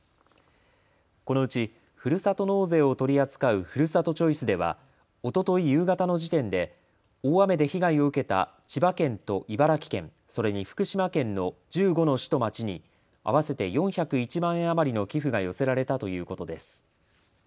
このうち、ふるさと納税を取り扱うふるさとチョイスではおととい夕方の時点で大雨で被害を受けた千葉県と茨城県、それに福島県の１５の市と町に合わせて４０１万円余りの寄付が寄せられたということです。